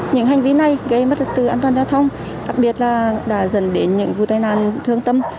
những hành vi này gây mất trực tự an toàn giao thông đặc biệt là đã dẫn đến những vụ tai nạn thương tâm